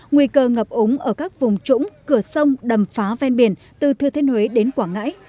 nguy cơ ngập ống ở các vùng trũng cửa sông đầm phá ven biển từ thư thiên huế đến quảng ngãi